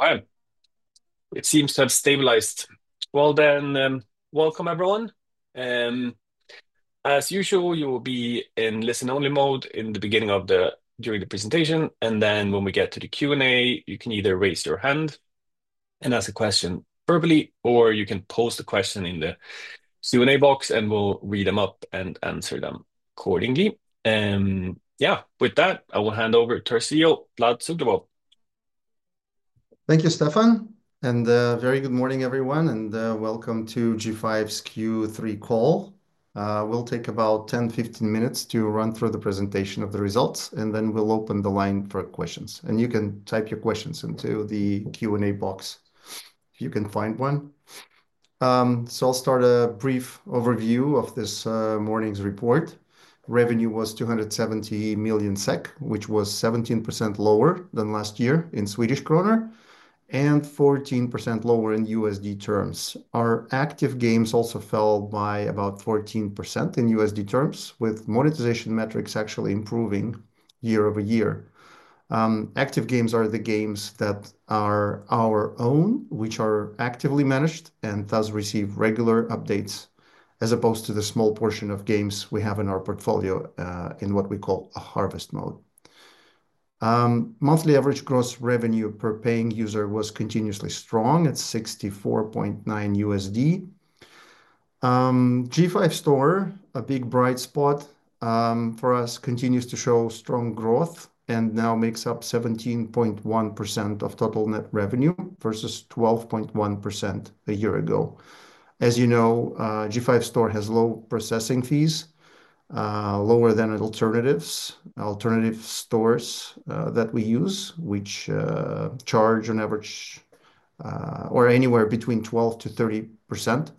All right. It seems to have stabilized. Well then, welcome everyone. As usual, you will be in listen-only mode during the presentation, and then when we get to the Q&A, you can either raise your hand and ask a question verbally, or you can post the question in the Q&A box, and we'll read them up and answer them accordingly. Yeah, with that, I will hand over to our CEO, Vlad Suglobov. Thank you, Stefan, and very good morning, everyone, and welcome to G5's Q3 call. We'll take about 10-15 minutes to run through the presentation of the results, and then we'll open the line for questions, and you can type your questions into the Q&A box if you can find one, so I'll start a brief overview of this morning's report. Revenue was 270 million SEK, which was 17% lower than last year in Swedish kronor, and 14% lower in USD terms. Our active games also fell by about 14% in USD terms, with monetization metrics actually improving year over year. Active games are the games that are our own, which are actively managed and thus receive regular updates, as opposed to the small portion of games we have in our portfolio, in what we call a harvest mode. Monthly average gross revenue per paying user was continuously strong at $64.9. G5 Store, a big bright spot for us, continues to show strong growth and now makes up 17.1% of total net revenue versus 12.1% a year ago. As you know, G5 Store has low processing fees, lower than alternative stores that we use, which charge on average or anywhere between 12%-30%.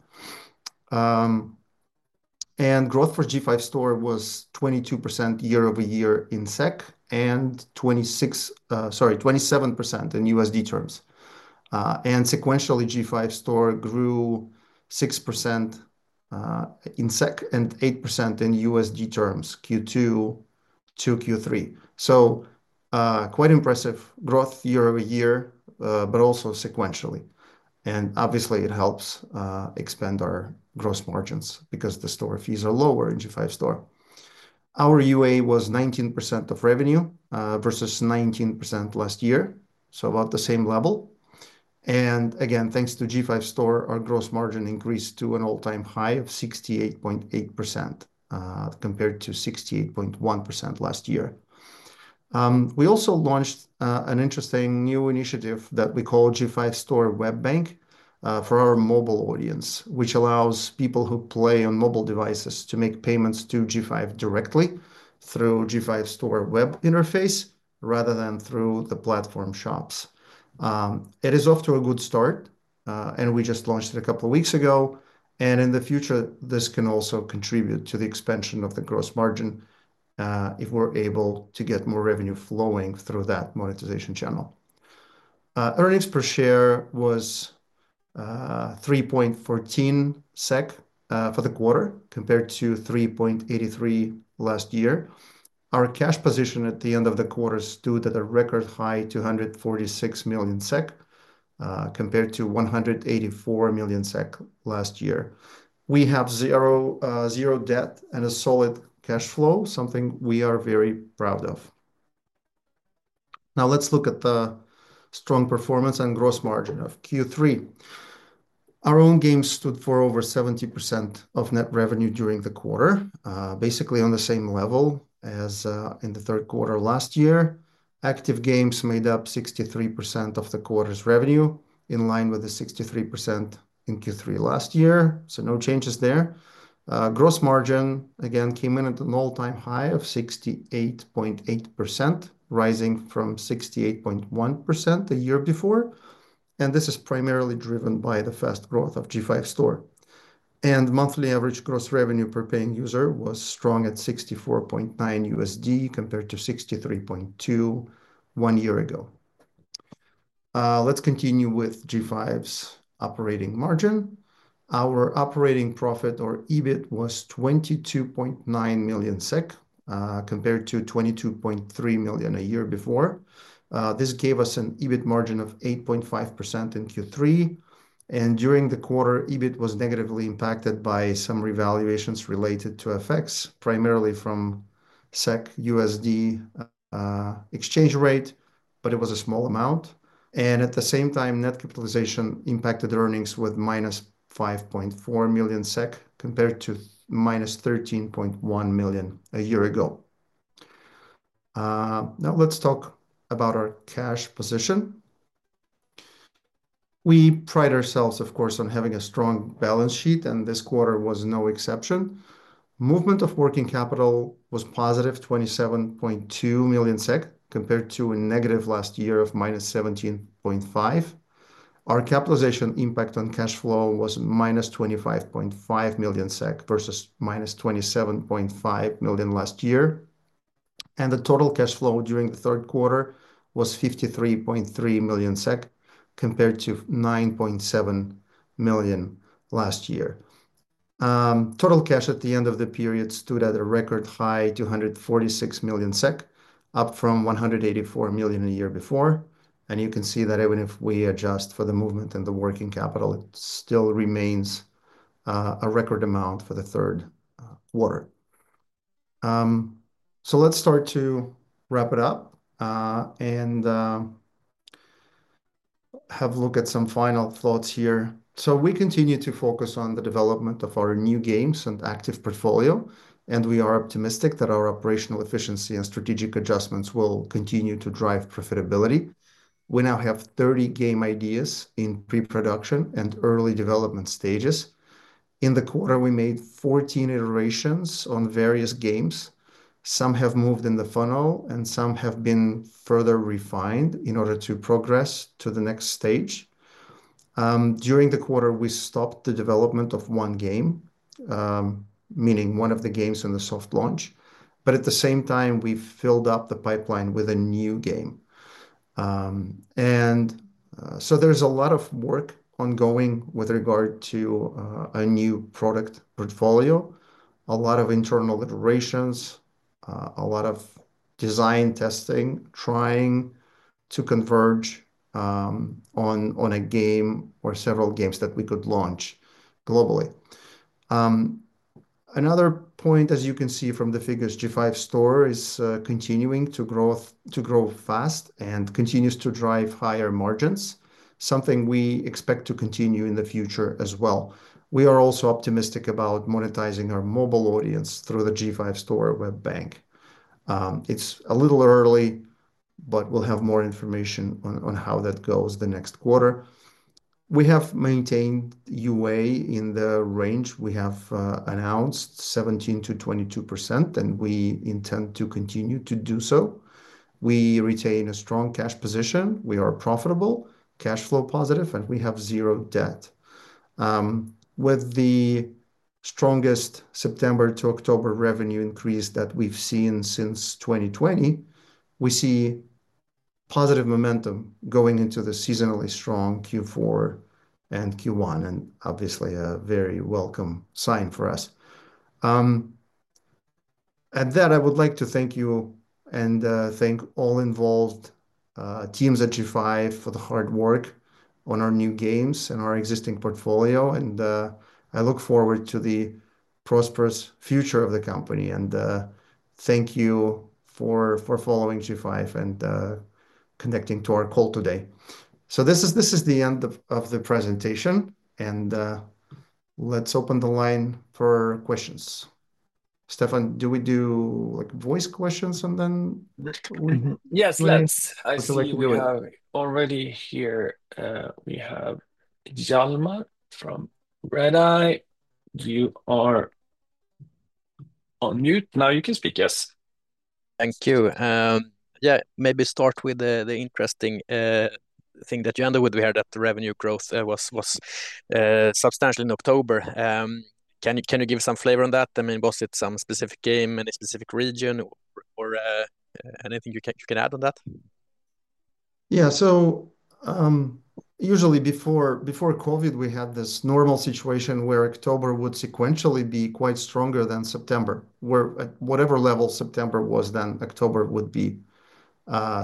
And growth for G5 Store was 22% year-over-year in SEK and 26, sorry, 27% in USD terms. And sequentially, G5 Store grew 6% in SEK and 8% in USD terms Q2 to Q3. So, quite impressive growth year over year, but also sequentially. And obviously, it helps expand our gross margins because the store fees are lower in G5 Store. Our UA was 19% of revenue, versus 19% last year, so about the same level. And again, thanks to G5 Store, our gross margin increased to an all-time high of 68.8%, compared to 68.1% last year. We also launched an interesting new initiative that we call G5 Store Web Bank for our mobile audience, which allows people who play on mobile devices to make payments to G5 directly through G5 Store web interface rather than through the platform shops. It is off to a good start, and we just launched it a couple of weeks ago, and in the future, this can also contribute to the expansion of the gross margin, if we're able to get more revenue flowing through that monetization channel. Earnings per share was 3.14 SEK for the quarter compared to 3.83 last year. Our cash position at the end of the quarter stood at a record high, 246 million SEK, compared to 184 million SEK last year. We have zero, zero debt and a solid cash flow, something we are very proud of. Now let's look at the strong performance and gross margin of Q3. Our own games stood for over 70% of net revenue during the quarter, basically on the same level as, in the third quarter last year. Active games made up 63% of the quarter's revenue, in line with the 63% in Q3 last year, so no changes there. Gross margin, again, came in at an all-time high of 68.8%, rising from 68.1% a year before, and this is primarily driven by the fast growth of G5 Store, and monthly average gross revenue per paying user was strong at $64.9 compared to $63.2 one year ago. Let's continue with G5's operating margin. Our operating profit, or EBIT, was 22.9 million SEK, compared to 22.3 million a year before. This gave us an EBIT margin of 8.5% in Q3, and during the quarter, EBIT was negatively impacted by some revaluations related to FX, primarily from SEK/USD exchange rate, but it was a small amount. And at the same time, net capitalization impacted earnings with minus 5.4 million SEK compared to minus 13.1 million SEK a year ago. Now let's talk about our cash position. We pride ourselves, of course, on having a strong balance sheet, and this quarter was no exception. Movement of working capital was positive 27.2 million SEK, compared to a negative last year of minus 17.5 million. Our capitalization impact on cash flow was minus 25.5 million SEK versus minus 27.5 million last year, and the total cash flow during the third quarter was 53.3 million SEK compared to 9.7 million last year. Total cash at the end of the period stood at a record high 246 million SEK, up from 184 million a year before, and you can see that even if we adjust for the movement and the working capital, it still remains a record amount for the third quarter. So let's start to wrap it up, and have a look at some final thoughts here. So we continue to focus on the development of our new games and active portfolio, and we are optimistic that our operational efficiency and strategic adjustments will continue to drive profitability. We now have 30 game ideas in pre-production and early development stages. In the quarter, we made 14 iterations on various games. Some have moved in the funnel, and some have been further refined in order to progress to the next stage. During the quarter, we stopped the development of one game, meaning one of the games in the soft launch, but at the same time, we filled up the pipeline with a new game, and so there's a lot of work ongoing with regard to a new product portfolio, a lot of internal iterations, a lot of design testing, trying to converge on a game or several games that we could launch globally. Another point, as you can see from the figures, G5 Store is continuing to grow, to grow fast and continues to drive higher margins, something we expect to continue in the future as well. We are also optimistic about monetizing our mobile audience through the G5 Store Web Bank. It's a little early, but we'll have more information on how that goes the next quarter. We have maintained UA in the range. We have announced 17%-22%, and we intend to continue to do so. We retain a strong cash position. We are profitable, cash flow positive, and we have zero debt. With the strongest September to October revenue increase that we've seen since 2020, we see positive momentum going into the seasonally strong Q4 and Q1, and obviously a very welcome sign for us. At that, I would like to thank you and thank all involved teams at G5 for the hard work on our new games and our existing portfolio, and I look forward to the prosperous future of the company and thank you for following G5 and connecting to our call today. So this is the end of the presentation, and let's open the line for questions. Stefan, do we do like voice questions and then? Yes, let's. I see we have already here, we have Hjalmar from Redeye. You are on mute. Now you can speak. Yes. Thank you. Yeah, maybe start with the interesting thing that you ended with. We heard that the revenue growth was substantial in October. Can you give some flavor on that? I mean, was it some specific game, any specific region, or anything you can add on that? Yeah, so usually before COVID, we had this normal situation where October would sequentially be quite stronger than September, where at whatever level September was, then October would be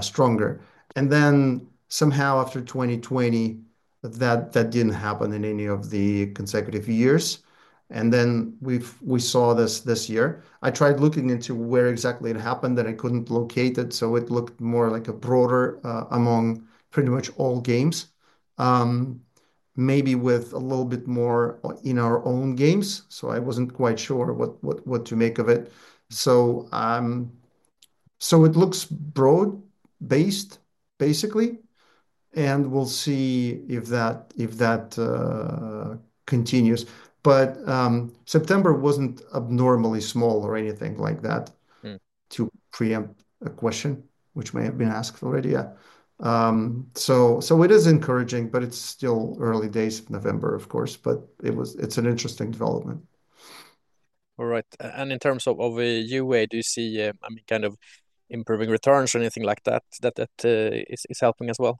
stronger. And then somehow after 2020, that didn't happen in any of the consecutive years. And then we saw this year. I tried looking into where exactly it happened that I couldn't locate it, so it looked more like a broader, among pretty much all games, maybe with a little bit more in our own games. So I wasn't quite sure what to make of it. So it looks broad-based basically, and we'll see if that continues. But September wasn't abnormally small or anything like that. To preempt a question which may have been asked already. Yeah. It is encouraging, but it's still early days of November, of course, but it's an interesting development. All right. And in terms of a UA, do you see, I mean, kind of improving returns or anything like that that is helping as well?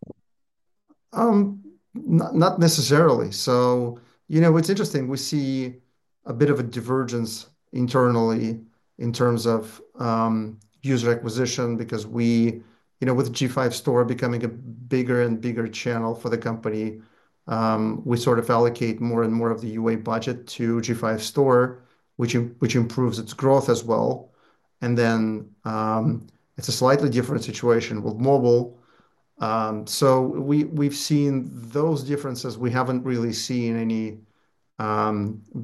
Not, not necessarily. So, you know, it's interesting. We see a bit of a divergence internally in terms of user acquisition because we, you know, with G5 Store becoming a bigger and bigger channel for the company, we sort of allocate more and more of the UA budget to G5 Store, which improves its growth as well. And then, it's a slightly different situation with mobile. So we, we've seen those differences. We haven't really seen any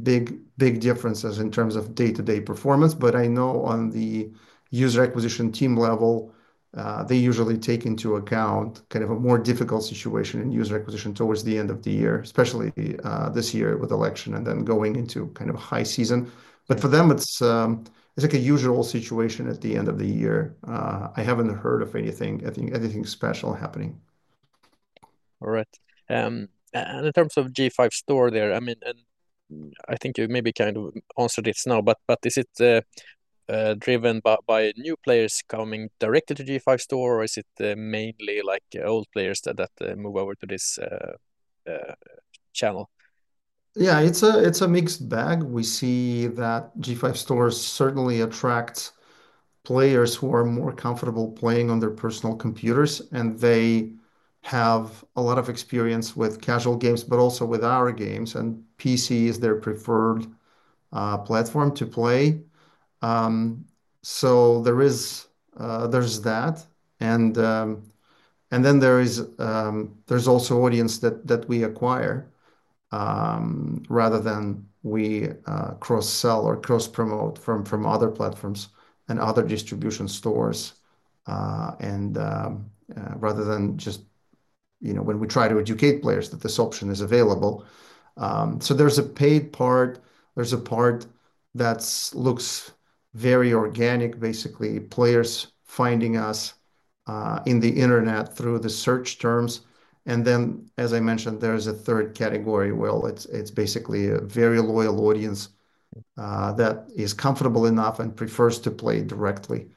big differences in terms of day-to-day performance, but I know on the user acquisition team level, they usually take into account kind of a more difficult situation in user acquisition towards the end of the year, especially this year with elections and then going into kind of a high season. But for them, it's like a usual situation at the end of the year. I haven't heard of anything, I think, anything special happening. All right, and in terms of G5 Store there, I mean, and I think you maybe kind of answered this now, but is it driven by new players coming directly to G5 Store, or is it mainly like old players that move over to this channel? Yeah, it's a mixed bag. We see that G5 Store certainly attracts players who are more comfortable playing on their personal computers, and they have a lot of experience with casual games, but also with our games, and PC is their preferred platform to play, so there is, there's that, and then there is, there's also an audience that we acquire rather than we cross-sell or cross-promote from other platforms and other distribution stores, and rather than just, you know, when we try to educate players that this option is available, so there's a paid part. There's a part that looks very organic, basically players finding us in the internet through the search terms. And then, as I mentioned, there's a third category. It's basically a very loyal audience that is comfortable enough and prefers to play directly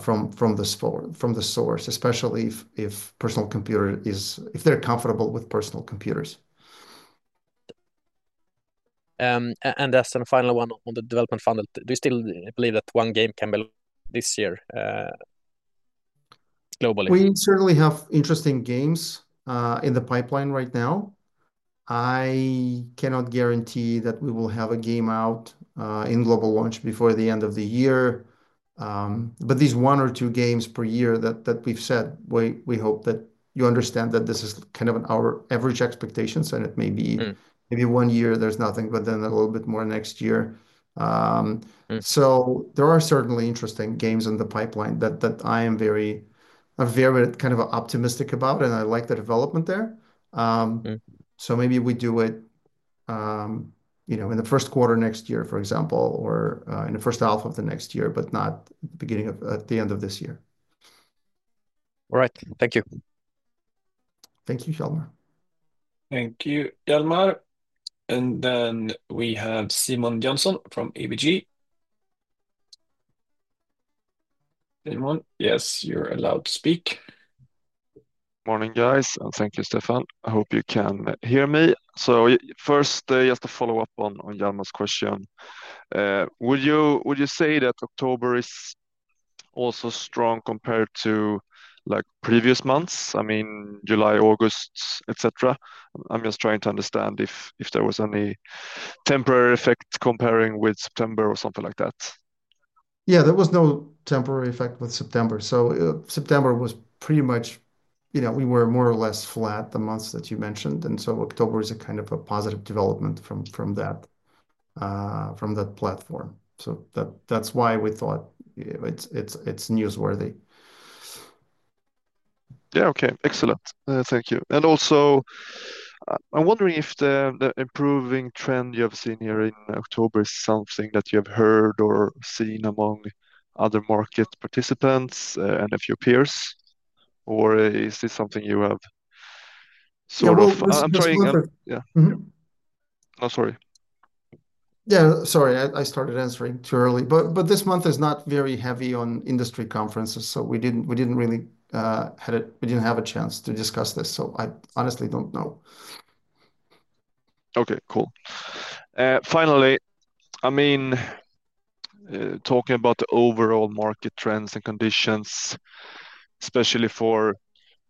from the source, especially if they're comfortable with personal computers. As a final one on the development funnel, do you still believe that one game can be this year, globally? We certainly have interesting games in the pipeline right now. I cannot guarantee that we will have a game out in global launch before the end of the year. But these one or two games per year that we've said we hope that you understand that this is kind of our average expectations, and it may be maybe one year there's nothing, but then a little bit more next year. So there are certainly interesting games in the pipeline that I am very kind of optimistic about, and I like the development there. So maybe we do it, you know, in the first quarter next year, for example, or in the first half of the next year, but not at the end of this year. All right. Thank you. Thank you, Hjalmar. Thank you, Hjalmar. And then we have Simon Jönsson from ABG. Simon, yes, you're allowed to speak. Morning, guys, and thank you, Stefan. I hope you can hear me. So first, just to follow up on Hjalmar's question, would you say that October is also strong compared to like previous months? I mean, July, August, et cetera. I'm just trying to understand if there was any temporary effect comparing with September or something like that. Yeah, there was no temporary effect with September. So, September was pretty much, you know, we were more or less flat the months that you mentioned. And so October is a kind of a positive development from that platform. So that, that's why we thought it's newsworthy. Yeah. Okay. Excellent. Thank you. And also, I'm wondering if the improving trend you have seen here in October is something that you have heard or seen among other market participants, and a few peers, or is this something you have sort of, I'm trying to, yeah. No, sorry. Yeah, sorry. I started answering too early, but this month is not very heavy on industry conferences, so we didn't really have a chance to discuss this, so I honestly don't know. Okay. Cool. Finally, I mean, talking about the overall market trends and conditions, especially for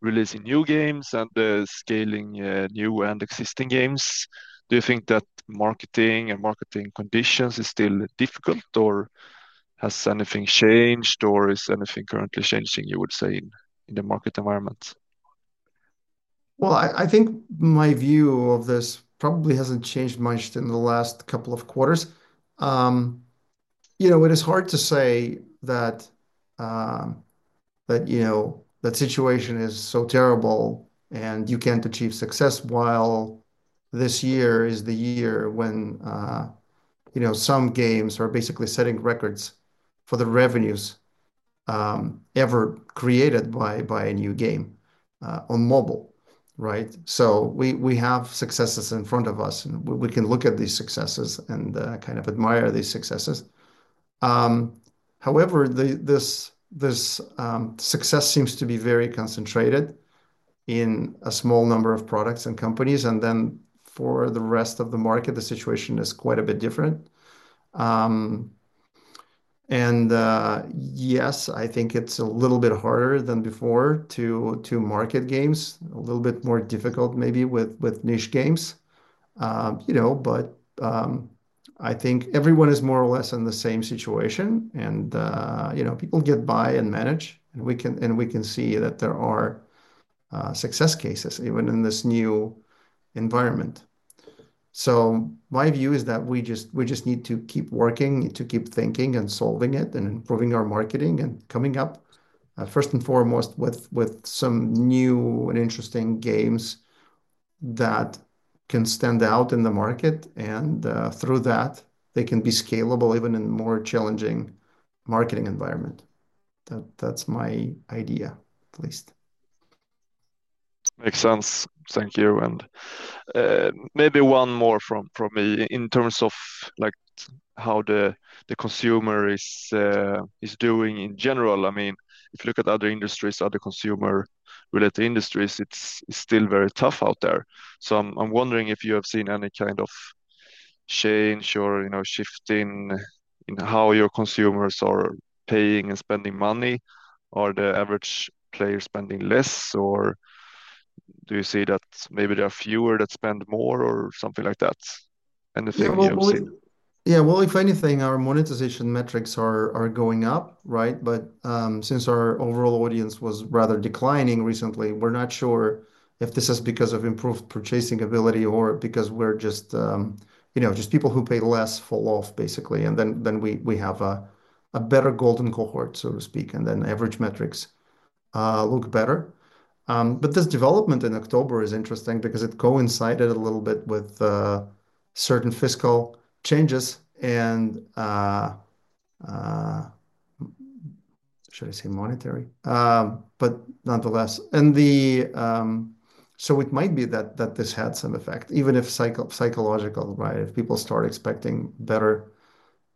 releasing new games and scaling new and existing games, do you think that marketing and marketing conditions is still difficult or has anything changed or is anything currently changing, you would say, in the market environment? I think my view of this probably hasn't changed much in the last couple of quarters. You know, it is hard to say that you know, that situation is so terrible and you can't achieve success while this year is the year when you know, some games are basically setting records for the revenues ever created by a new game on mobile, right? So we have successes in front of us and we can look at these successes and kind of admire these successes. However, this success seems to be very concentrated in a small number of products and companies, and then for the rest of the market, the situation is quite a bit different. Yes, I think it's a little bit harder than before to market games, a little bit more difficult maybe with niche games, you know, but I think everyone is more or less in the same situation and, you know, people get by and manage and we can see that there are success cases even in this new environment. So my view is that we just need to keep working, need to keep thinking and solving it and improving our marketing and coming up first and foremost with some new and interesting games that can stand out in the market and, through that, they can be scalable even in more challenging marketing environment. That's my idea at least. Makes sense. Thank you. And maybe one more from me in terms of like how the consumer is doing in general. I mean, if you look at other industries, other consumer-related industries, it's still very tough out there. So I'm wondering if you have seen any kind of change or, you know, shift in how your consumers are paying and spending money. Are the average players spending less or do you see that maybe there are fewer that spend more or something like that? Anything you have seen? Yeah. Well, if anything, our monetization metrics are going up, right? But since our overall audience was rather declining recently, we're not sure if this is because of improved purchasing ability or because we're just, you know, people who pay less fall off basically. And then we have a better golden cohort, so to speak, and then average metrics look better. But this development in October is interesting because it coincided a little bit with certain fiscal changes and, should I say, monetary. But nonetheless, so it might be that this had some effect even if psychological, right? If people start expecting better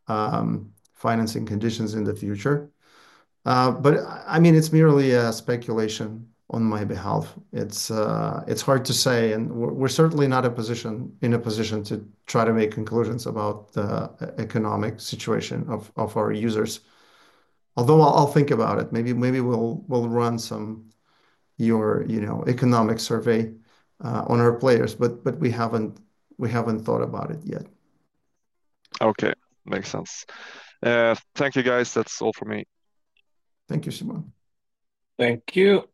financing conditions in the future. But I mean, it's merely a speculation on my behalf. It's hard to say and we're certainly not in a position to try to make conclusions about the economic situation of our users. Although I'll think about it. Maybe we'll run some of your, you know, economic survey on our players, but we haven't thought about it yet. Okay. Makes sense. Thank you, guys. That's all for me. Thank you, Simon. Thank you.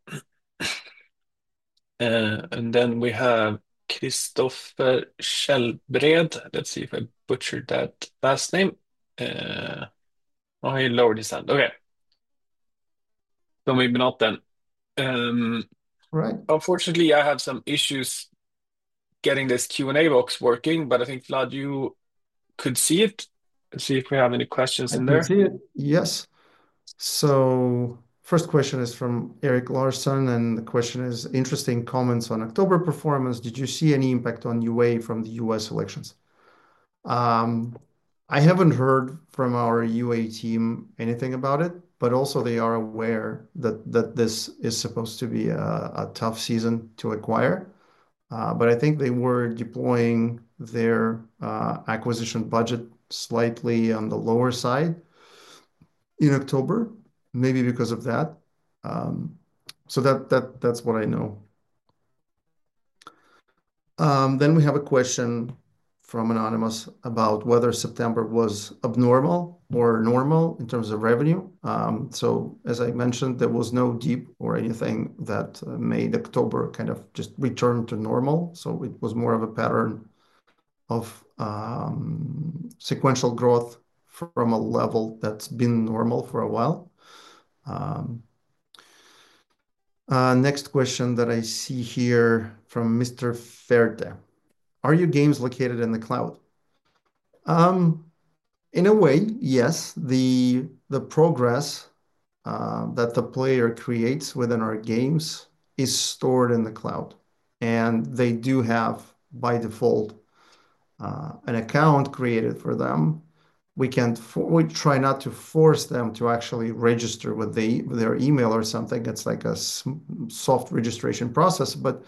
And then we have Christopher Sellberg. Let's see if I butchered that last name. Oh, he lowered his hand. Okay. Don't move me not then. All right. Unfortunately, I have some issues getting this Q&A box working, but I think Vlad, you could see it. See if we have any questions in there. I can see it. Yes. So first question is from Eric Larson and the question is interesting comments on October performance. Did you see any impact on UA from the U.S. elections? I haven't heard from our UA team anything about it, but also they are aware that this is supposed to be a tough season to acquire. But I think they were deploying their acquisition budget slightly on the lower side in October, maybe because of that. So that's what I know. Then we have a question from Anonymous about whether September was abnormal or normal in terms of revenue. So as I mentioned, there was no dip or anything that made October kind of just return to normal. So it was more of a pattern of sequential growth from a level that's been normal for a while. Next question that I see here from Mr. Ferte. Are your games located in the cloud? In a way, yes. The progress that the player creates within our games is stored in the cloud and they do have by default an account created for them. We can't, we try not to force them to actually register with their email or something. It's like a soft registration process, but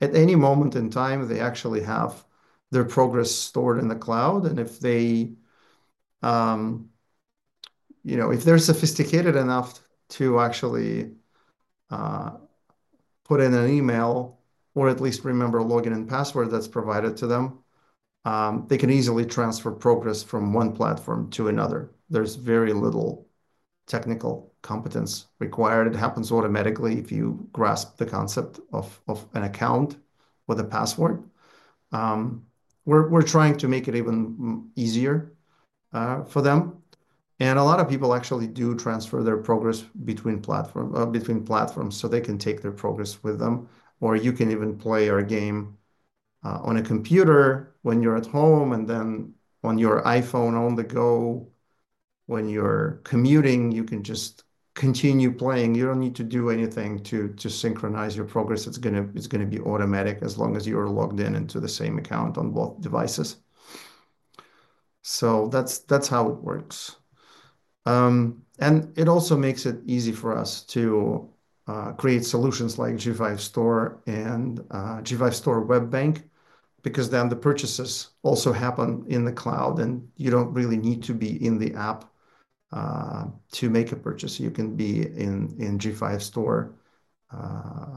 at any moment in time, they actually have their progress stored in the cloud. And if they, you know, if they're sophisticated enough to actually put in an email or at least remember login and password that's provided to them, they can easily transfer progress from one platform to another. There's very little technical competence required. It happens automatically if you grasp the concept of an account with a password. We're trying to make it even easier for them. And a lot of people actually do transfer their progress between platform, between platforms so they can take their progress with them. Or you can even play our game on a computer when you're at home and then on your iPhone on the go. When you're commuting, you can just continue playing. You don't need to do anything to synchronize your progress. It's gonna be automatic as long as you're logged into the same account on both devices. So that's how it works. And it also makes it easy for us to create solutions like G5 Store and G5 Store Web Bank because then the purchases also happen in the cloud and you don't really need to be in the app to make a purchase. You can be in G5 Store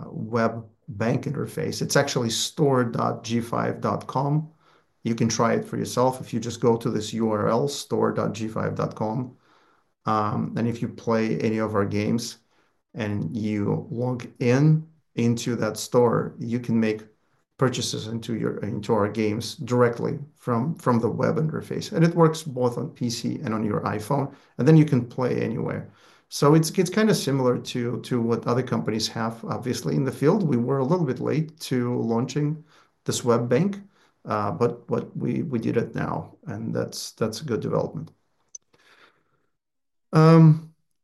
Web Bank interface. It's actually store.g5.com. You can try it for yourself if you just go to this URL, store.g5.com, and if you play any of our games and you log in into that store, you can make purchases into your, into our games directly from, from the web interface. It works both on PC and on your iPhone. Then you can play anywhere. It's kind of similar to what other companies have. Obviously, in the field, we were a little bit late to launching this web bank, but we did it now and that's a good development.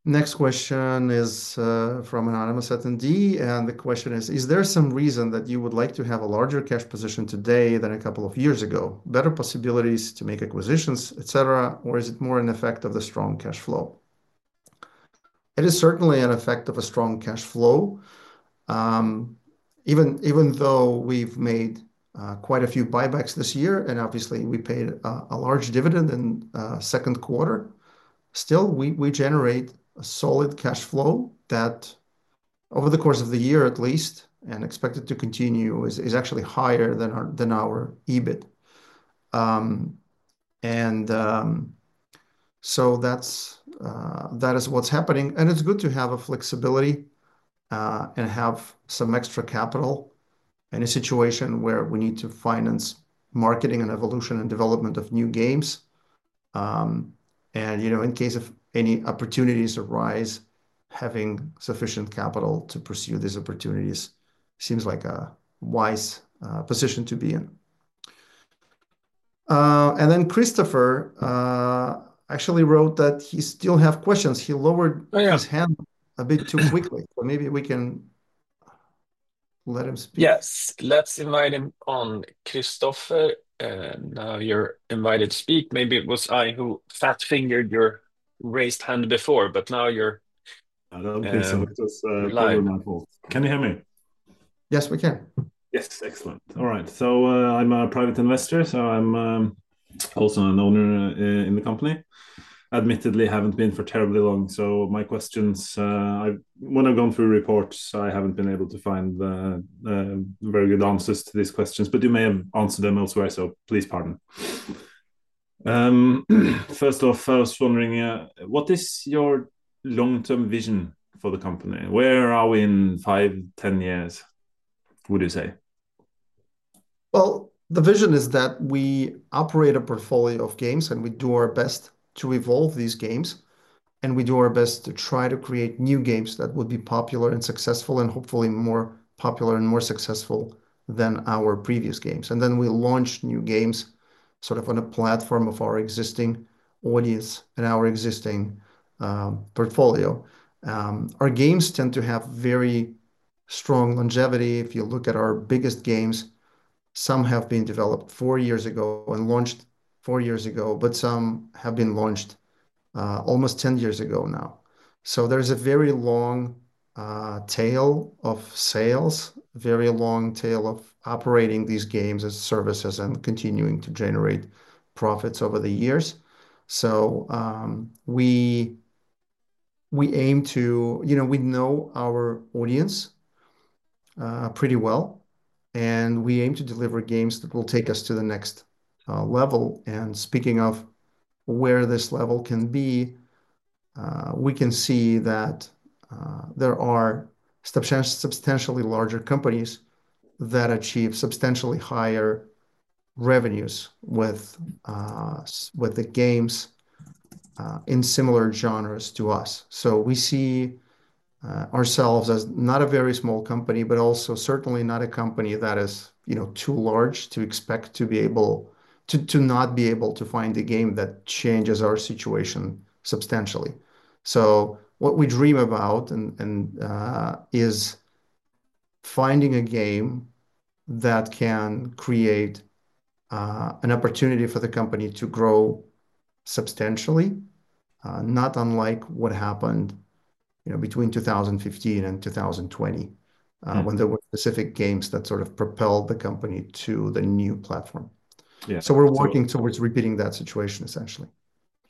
Next question is from Anonymous Attendee. The question is, is there some reason that you would like to have a larger cash position today than a couple of years ago, better possibilities to make acquisitions, et cetera, or is it more an effect of the strong cash flow? It is certainly an effect of a strong cash flow. Even though we've made quite a few buybacks this year and obviously we paid a large dividend in second quarter, still we generate a solid cash flow that over the course of the year at least and expected to continue is actually higher than our EBIT. So that's what is happening. It is good to have a flexibility and have some extra capital in a situation where we need to finance marketing and evolution and development of new games. You know, in case any opportunities arise, having sufficient capital to pursue these opportunities seems like a wise position to be in. Then Christopher actually wrote that he still has questions. He lowered his hand a bit too quickly. So maybe we can let him speak. Yes. Let's invite him on, Christopher, and now you're invited to speak. Maybe it was I who fat fingered your raised hand before, but now you're. I don't think so. It was, Vlad. Can you hear me? Yes, we can. Yes. Excellent. All right. So, I'm a private investor, so I'm also an owner in the company. Admittedly, I haven't been for terribly long, so my questions, when I've gone through reports, I haven't been able to find very good answers to these questions, but you may have answered them elsewhere, so please pardon. First off, I was wondering what is your long-term vision for the company? Where are we in five, ten years? What do you say? Well, the vision is that we operate a portfolio of games and we do our best to evolve these games. And we do our best to try to create new games that would be popular and successful and hopefully more popular and more successful than our previous games. Then we launch new games sort of on a platform of our existing audience and our existing portfolio. Our games tend to have very strong longevity. If you look at our biggest games, some have been developed four years ago and launched four years ago, but some have been launched almost ten years ago now. So there's a very long tail of sales, a very long tail of operating these games as services and continuing to generate profits over the years. So we aim to, you know, we know our audience pretty well and we aim to deliver games that will take us to the next level. Speaking of where this level can be, we can see that there are substantially larger companies that achieve substantially higher revenues with the games in similar genres to us. So we see ourselves as not a very small company, but also certainly not a company that is, you know, too large to expect to be able to, to not be able to find a game that changes our situation substantially. So what we dream about and is finding a game that can create an opportunity for the company to grow substantially, not unlike what happened, you know, between 2015 and 2020, when there were specific games that sort of propelled the company to the new platform. Yeah. So we're working towards repeating that situation essentially.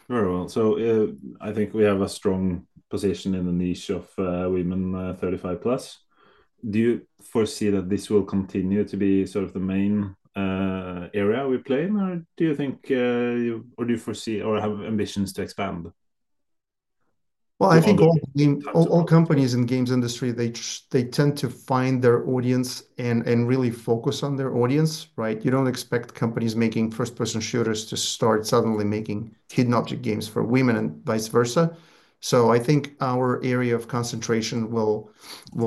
Very well. So I think we have a strong position in the niche of women 35 plus. Do you foresee that this will continue to be sort of the main area we play in, or do you think or do you foresee or have ambitions to expand? I think all game companies in the games industry, they tend to find their audience and really focus on their audience, right? You don't expect companies making first-person shooters to start suddenly making hidden object games for women and vice versa. So I think our area of concentration will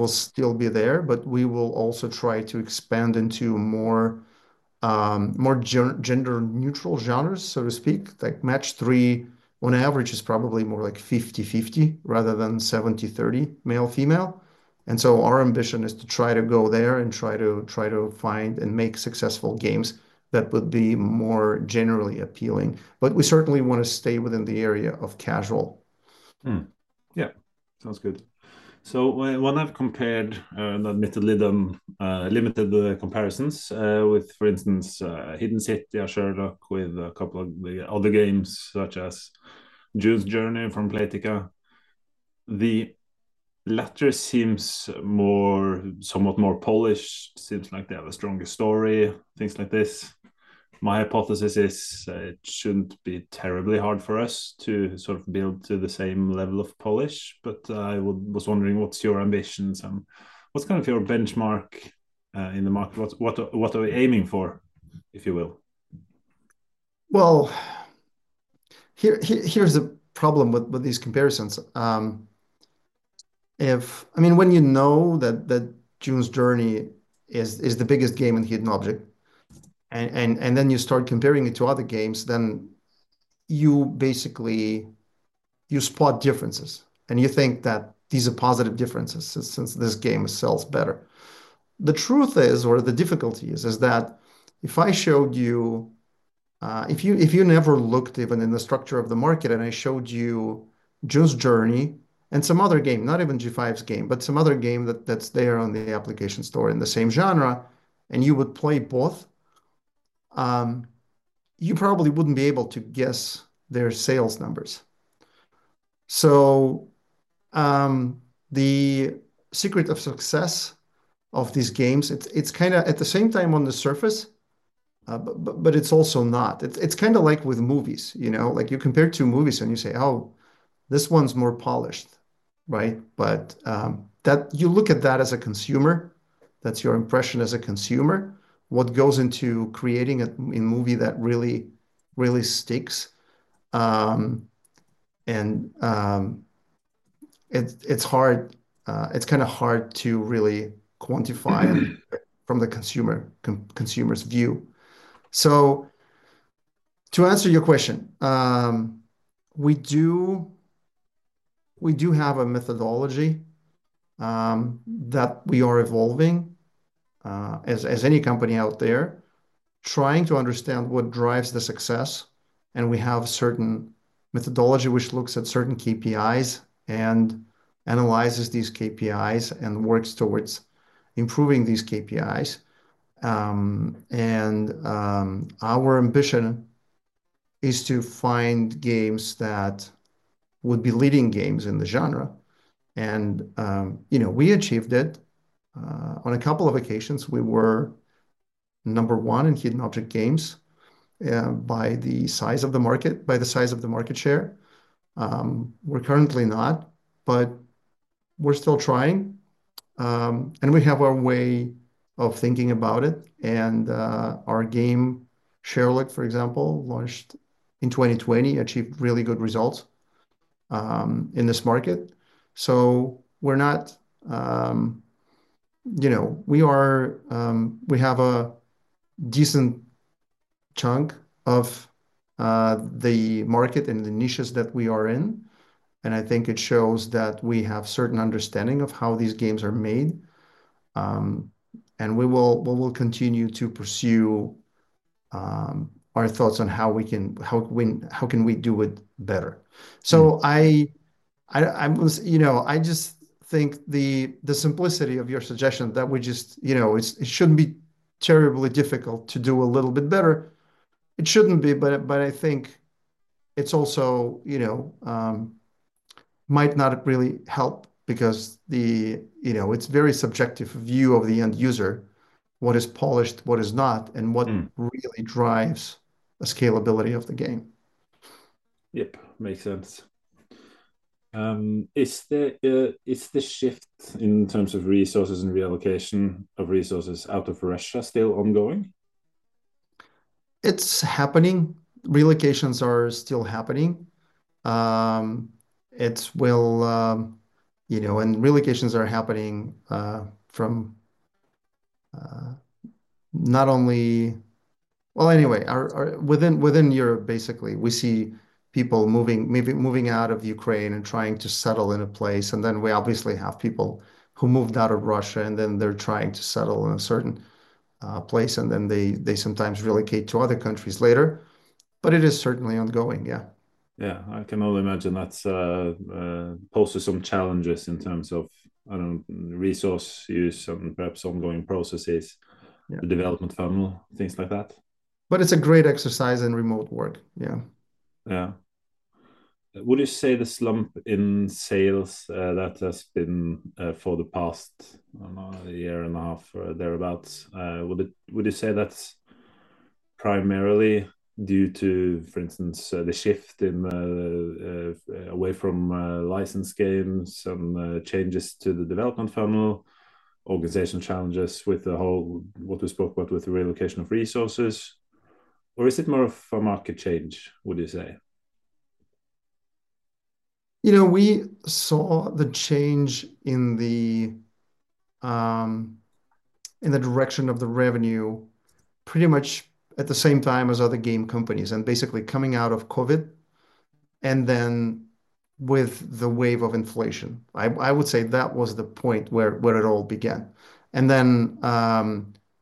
still be there, but we will also try to expand into more gender-neutral genres, so to speak. Like match three, on average, is probably more like 50/50 rather than 70/30 male-female. And so our ambition is to try to go there and try to find and make successful games that would be more generally appealing, but we certainly wanna stay within the area of casual. Yeah. Sounds good. So when I've compared, and admittedly done, limited the comparisons, with, for instance, Hidden City, I'm sure like with a couple of the other games such as June's Journey from Playtika, the latter seems more, somewhat more polished. Seems like they have a stronger story, things like this. My hypothesis is it shouldn't be terribly hard for us to sort of build to the same level of polish, but I was wondering what's your ambitions and what's kind of your benchmark, in the market? What, what, what are we aiming for, if you will? Here's a problem with these comparisons. If, I mean, when you know that June's Journey is the biggest game in hidden object and then you start comparing it to other games, then you basically spot differences and you think that these are positive differences since this game sells better. The truth is, or the difficulty is, that if I showed you, if you never looked even in the structure of the market and I showed you June's Journey and some other game, not even G5's game, but some other game that's there on the application store in the same genre and you would play both, you probably wouldn't be able to guess their sales numbers. So, the secret of success of these games, it's kind of at the same time on the surface, but it's also not. It's kind of like with movies, you know, like you compare two movies and you say, oh, this one's more polished, right? But that you look at that as a consumer, that's your impression as a consumer. What goes into creating a movie that really sticks, and it's hard. It's kind of hard to really quantify from the consumer's view. So to answer your question, we do have a methodology that we are evolving, as any company out there trying to understand what drives the success. And we have a certain methodology which looks at certain KPIs and analyzes these KPIs and works towards improving these KPIs. And our ambition is to find games that would be leading games in the genre. You know, we achieved it on a couple of occasions. We were number one in hidden object games by the size of the market by the size of the market share. We're currently not, but we're still trying. And we have our way of thinking about it. And our game Sherlock, for example, launched in 2020, achieved really good results in this market. So we're not, you know, we are, we have a decent chunk of the market and the niches that we are in. And I think it shows that we have certain understanding of how these games are made. And we will continue to pursue our thoughts on how we can, how we, how can we do it better. So, I'm, you know, I just think the simplicity of your suggestion that we just, you know, it shouldn't be terribly difficult to do a little bit better. It shouldn't be, but I think it's also, you know, might not really help because, you know, it's very subjective view of the end user, what is polished, what is not, and what really drives the scalability of the game. Yep. Makes sense. Is there, is the shift in terms of resources and reallocation of resources out of Russia still ongoing? It's happening. Relocations are still happening. It will, you know, and relocations are happening from not only, well, anyway, within Europe. Basically we see people moving, moving, moving out of Ukraine and trying to settle in a place. And then we obviously have people who moved out of Russia and then they're trying to settle in a certain place. And then they sometimes relocate to other countries later, but it is certainly ongoing. Yeah. Yeah. I can only imagine that poses some challenges in terms of, I don't know, resource use and perhaps ongoing processes, the development funnel, things like that. But it's a great exercise in remote work. Yeah. Yeah. Would you say the slump in sales that has been, for the past, I don't know, a year and a half or thereabouts, would it, would you say that's primarily due to, for instance, the shift in, away from, license games and, changes to the development funnel, organization challenges with the whole, what we spoke about with the relocation of resources, or is it more of a market change, would you say? You know, we saw the change in the direction of the revenue pretty much at the same time as other game companies and basically coming out of COVID and then with the wave of inflation. I would say that was the point where it all began. And then,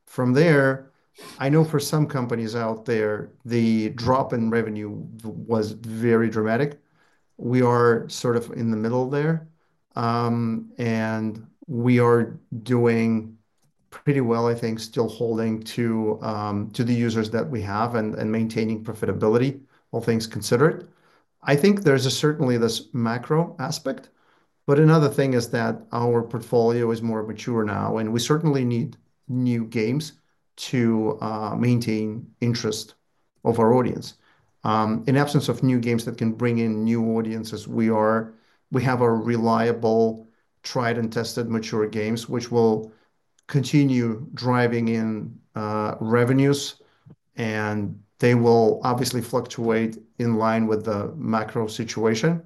from there, I know for some companies out there, the drop in revenue was very dramatic. We are sort of in the middle there. And we are doing pretty well, I think, still holding to the users that we have and maintaining profitability, all things considered. I think there's certainly this macro aspect, but another thing is that our portfolio is more mature now and we certainly need new games to maintain interest of our audience. In absence of new games that can bring in new audiences, we are, we have our reliable, tried and tested mature games, which will continue driving in revenues and they will obviously fluctuate in line with the macro situation.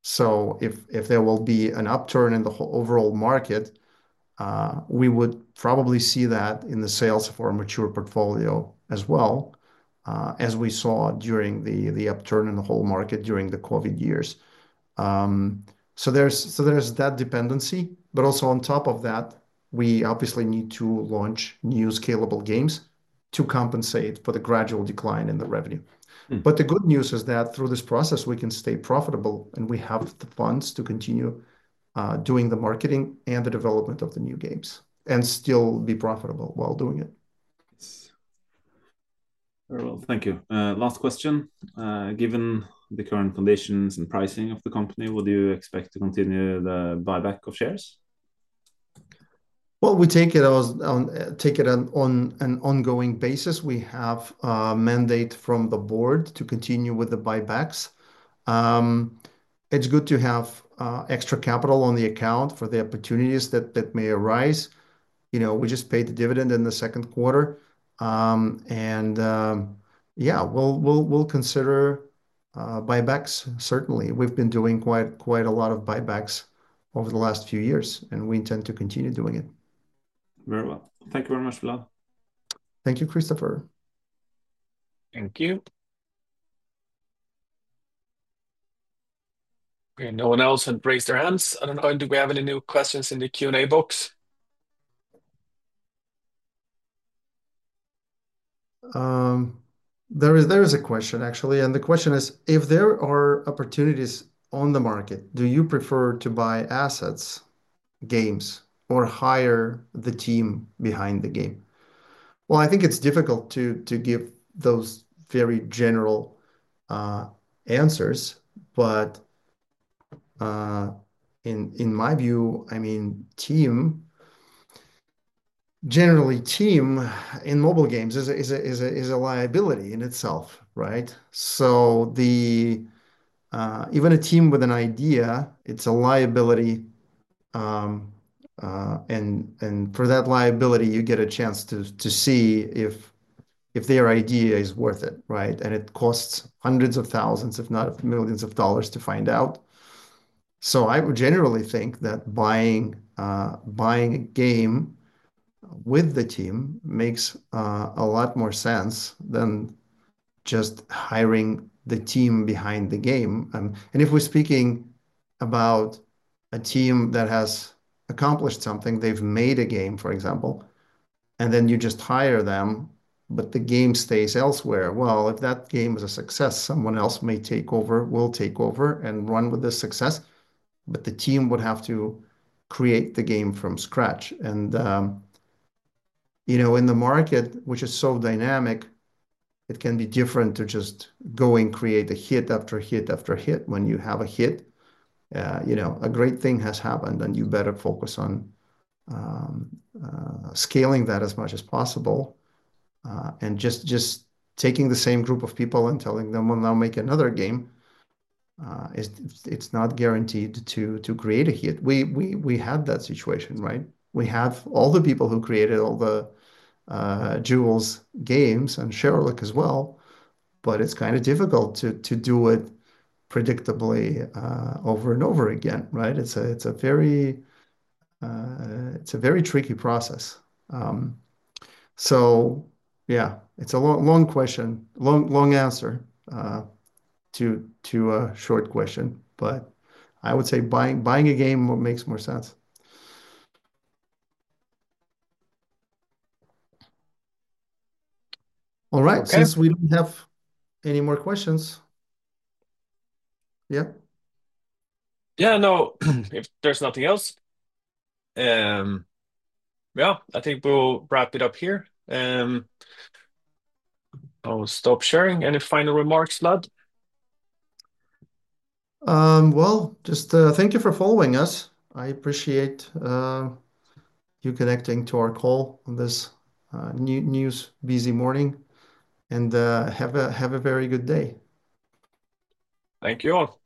So if there will be an upturn in the overall market, we would probably see that in the sales of our mature portfolio as well, as we saw during the upturn in the whole market during the COVID years. So there's that dependency, but also on top of that, we obviously need to launch new scalable games to compensate for the gradual decline in the revenue. But the good news is that through this process, we can stay profitable and we have the funds to continue doing the marketing and the development of the new games and still be profitable while doing it. Yes. Very well. Thank you. Last question. Given the current conditions and pricing of the company, would you expect to continue the buyback of shares? We take it on an ongoing basis. We have a mandate from the board to continue with the buybacks. It's good to have extra capital on the account for the opportunities that may arise. You know, we just paid the dividend in the second quarter, and yeah, we'll consider buybacks. Certainly we've been doing quite a lot of buybacks over the last few years and we intend to continue doing it. Very well. Thank you very much, Vlad. Thank you, Christopher. Thank you. Okay. No one else had raised their hands. I don't know. Do we have any new questions in the Q&A box? There is a question actually. The question is, if there are opportunities on the market, do you prefer to buy assets, games, or hire the team behind the game? I think it's difficult to give those very general answers, but in my view, I mean, generally, a team in mobile games is a liability in itself, right? Even a team with an idea is a liability. For that liability, you get a chance to see if their idea is worth it, right? It costs hundreds of thousands, if not millions of dollars, to find out. I would generally think that buying a game with the team makes a lot more sense than just hiring the team behind the game. If we're speaking about a team that has accomplished something, they've made a game, for example, and then you just hire them, but the game stays elsewhere. If that game is a success, someone else will take over and run with the success, but the team would have to create the game from scratch. You know, in the market, which is so dynamic, it can be difficult to just go and create a hit after hit after hit when you have a hit, you know, a great thing has happened and you better focus on scaling that as much as possible, and just taking the same group of people and telling them, well, now make another game, it's not guaranteed to create a hit. We had that situation, right? We have all the people who created all the Jewels games and Sherlock as well, but it's kind of difficult to do it predictably, over and over again, right? It's a very tricky process, so yeah, it's a long question, long answer to a short question, but I would say buying a game makes more sense. All right. Since we don't have any more questions. Yeah. Yeah. No, if there's nothing else, yeah, I think we'll wrap it up here. I'll stop sharing. Any final remarks, Vlad? Just thank you for following us. I appreciate you connecting to our call on this news-busy morning and have a very good day. Thank you all.